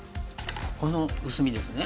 この薄みですね。